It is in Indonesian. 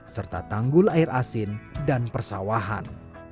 serta tanggul air asin dan persawahan